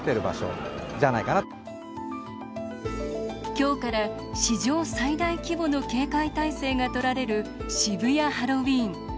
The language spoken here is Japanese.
今日から史上最大規模の警戒態勢がとられる渋谷ハロウィーン。